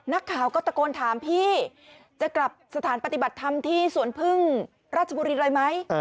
นักข่าวก็ตะโกนถามพี่จะกลับสถานปฏิบัติธรรมที่สวนพึ่งราชบุรีเลยไหม